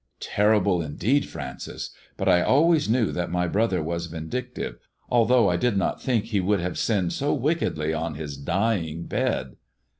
" Terrible indeed, Francis ; but I always knew that my brother was vindictive, although I did not think he would have sinned so wickedly on his dying bed.